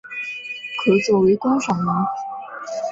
可做为观赏鱼。